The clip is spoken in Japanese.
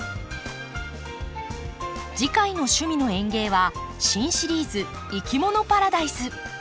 次回の「趣味の園芸」は新シリーズ「いきものパラダイス」。